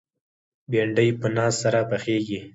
بېنډۍ په ناز سره پخېږي